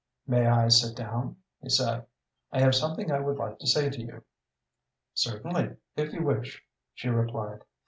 "May I sit down?" he said. "I have something I would like to say to you." "Certainly, if you wish," she replied.